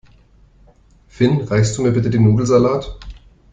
Finn, reichst du mir bitte den Nudelsalat?